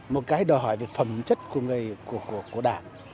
một cái đòi hỏi về phẩm chất của đảng